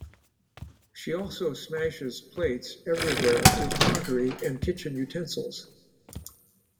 She also smashes plates everywhere with crockery and kitchen utensils.